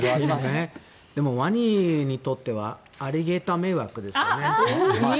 でもワニにとってはアリゲーター迷惑ですね。